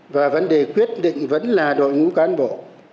và vấn đề quyết định vẫn là đội ngũ cán bộ